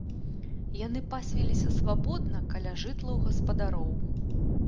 Яны пасвіліся свабодна каля жытлаў гаспадароў.